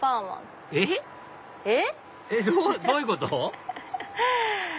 えっ？どういうこと？